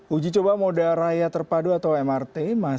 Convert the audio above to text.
uji coba moda raya terpadu atau mrt